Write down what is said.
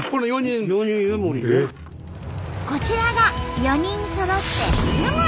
こちらが４人そろって湯守！